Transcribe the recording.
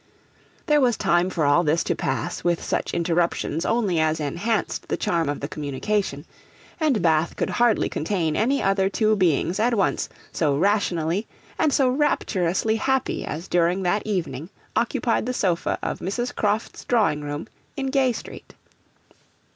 There was time for all this to pass, with such interruptions only as enhanced the charm of the communication, and Bath could hardly contain any other two beings at once so rationally and so rapturously happy as during that evening occupied the sofa of Mrs. Croft's drawing room in Gay Street.